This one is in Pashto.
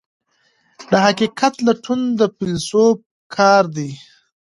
د حقیقت لټون د فیلسوف کار دی.